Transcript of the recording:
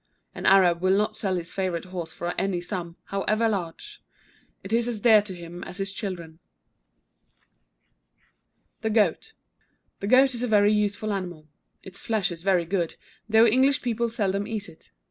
An Arab will not sell his favourite horse for any sum, however large: it is as dear to him as his children. THE GOAT. The goat is a very useful animal. Its flesh is very good, though English people seldom eat it.